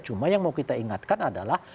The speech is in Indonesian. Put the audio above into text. cuma yang mau kita ingatkan adalah